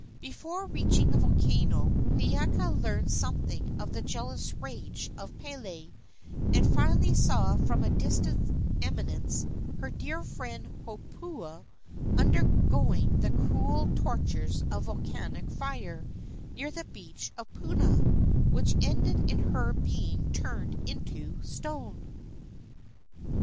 Before reaching the volcano Hiiaka learned something of the jealous rage of Pele, and finally saw from a distant eminence her dear friend Hopoe undergoing the cruel tortures of volcanic fire, near the beach of Puna, which ended in her being turned into stone.